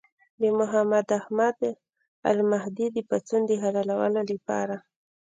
د محمد احمد المهدي د پاڅون د حلولو لپاره.